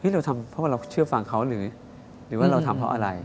เราทำเพราะว่าเราเชื่อฟังเขาหรือว่าเราทำเพราะอะไร